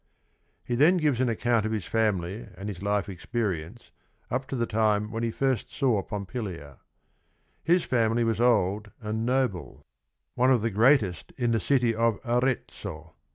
He t hen gives an account of his family an d his life^ exper ience up to t he time when h e first saw^ Pompil ia. His family was old and~no"ble, one of the greatest in the city of Arezzo.